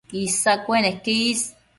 Isa cueneque is